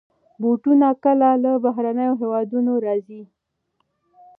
بوټونه کله له بهرنيو هېوادونو راځي.